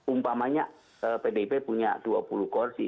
umpamanya pdip punya dua puluh kursi